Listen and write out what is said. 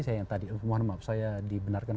saya yang tadi mohon maaf saya dibenarkan